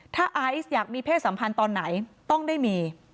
ถ้าไอซ์อยากมีเพศสัมพันธ์ตอนไหนต้องได้มี